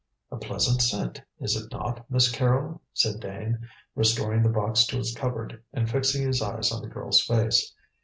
"A pleasant scent, is it not, Miss Carrol?" said Dane, restoring the box to its cupboard and fixing his eyes on the girl's face.